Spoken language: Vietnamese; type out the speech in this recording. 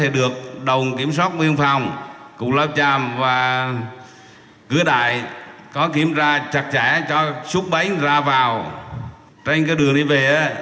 được đồng kiểm soát viên phòng cục loại tràm và cửa đại có kiểm tra chặt chẽ cho xuất bấy ra vào trên đường đi về